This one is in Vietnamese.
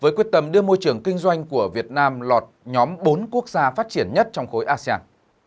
với quyết tâm đưa môi trường kinh doanh của việt nam lọt nhóm bốn quốc gia phát triển nhất trong khối asean